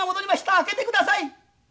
開けてください！」。